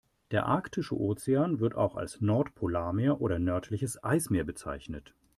Der Arktische Ozean, wird auch als Nordpolarmeer oder nördliches Eismeer bezeichnet.